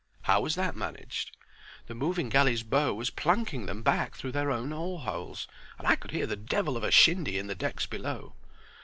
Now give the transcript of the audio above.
"How was that managed?" "The moving galley's bow was plunking them back through their own oarholes, and I could hear the devil of a shindy in the decks below.